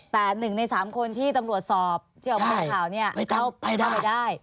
แต่๑ใน๓คนที่ตำรวจสอบที่ออกมาเป็นข่าวเนี่ยเข้าไปได้